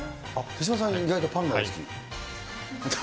手嶋さん、意外とパンがお好き？